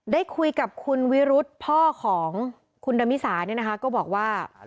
ด้ายคุยกับขุนวิรุธพอของคุณดัมิสาคงบอกว่า